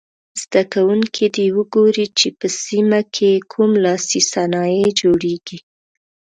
زده کوونکي دې وګوري چې په سیمه کې یې کوم لاسي صنایع جوړیږي.